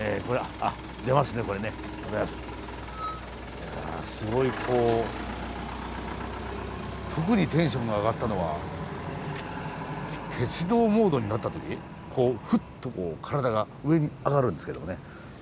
いやすごいこう特にテンションが上がったのは鉄道モードになった時こうふっと体が上に上がるんですけどもね。